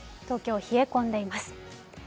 東京、冷え込んでいます。